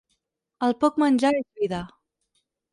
El poc menjar és vida.